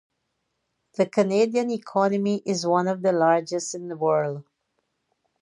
The Canadian economy is one of the largest in the world.